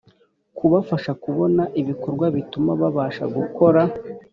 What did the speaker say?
kubafasha kubona ibikorwa bituma babasha gukora